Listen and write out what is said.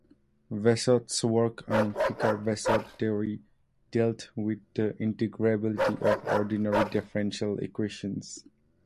Vessiot's work on Picard-Vessiot theory dealt with the integrability of ordinary differential equations.